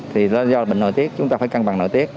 thì do bệnh nội tiết chúng ta phải cân bằng nội tiết